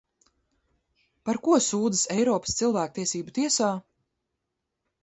Par ko sūdzas Eiropas cilvēktiesību tiesā?